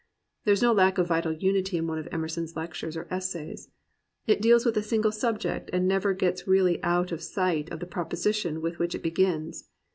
There is no lack of vital unity in one of Emerson's lectures or essays. It deals with a single subject and never gets really out of sight of the proposition with which it begins.